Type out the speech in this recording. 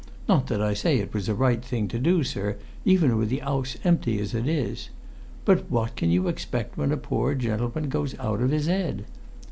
Not that I say it was a right thing to do, sir, even with the 'ouse empty as it is. But what can you expect when a pore gentleman goes out of 'is 'ead?